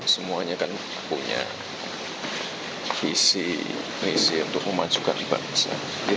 semuanya kan punya visi misi untuk memajukan bangsa